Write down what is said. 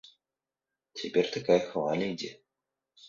Цяпер такая хваля ідзе.